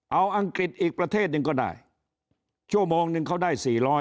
เอาอังกฤษอีกประเทศหนึ่งก็ได้ชั่วโมงนึงเขาได้๔๐๐